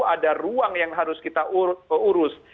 ada ruang yang harus kita urus